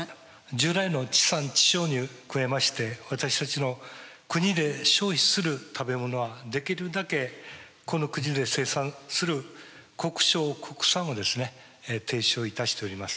従来の地産地消に加えまして私たちの国で消費する食べ物はできるだけこの国で生産する国消国産をですね提唱いたしております。